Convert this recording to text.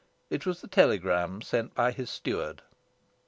It was the telegram sent by his steward.